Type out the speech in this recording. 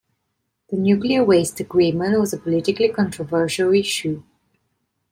The nuclear-waste agreement was a politically controversial issue.